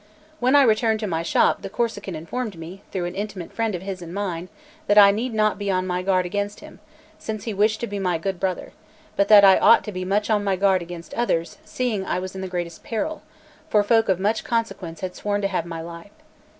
When I returned to my shop, the Corsican informed me, through an intimate friend of his and mine, that I need not be on my guard against him, since he wished to be my good brother; but that I ought to be much upon my guard against others, seeing I was in the greatest peril, for folk of much consequence had sworn to have my life.